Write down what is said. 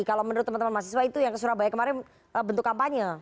kalau menurut teman teman mahasiswa itu yang ke surabaya kemarin bentuk kampanye